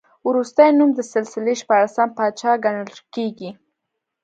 وروستی نوم د سلسلې شپاړسم پاچا ګڼل کېږي.